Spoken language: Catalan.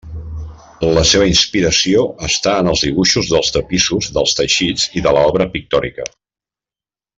La seva inspiració està en els dibuixos dels tapissos dels teixits i de l'obra pictòrica.